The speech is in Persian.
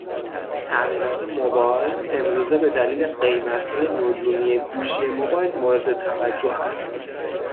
تعمیرات موبایل امروزه به دلیل قیمت های نجومی گوشی موبایل مورد توجه است